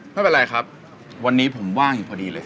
ไม่เป็นไรครับวันนี้ผมว่างอยู่พอดีเลย